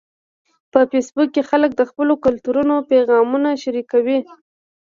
په فېسبوک کې خلک د خپلو کلتورونو پیغامونه شریکوي